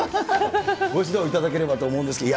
ご指導いただければと思うんですけれども。